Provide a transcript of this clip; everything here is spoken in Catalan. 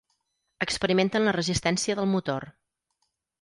Experimenten la resistència del motor.